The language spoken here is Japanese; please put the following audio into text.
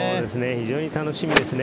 非常に楽しみですね。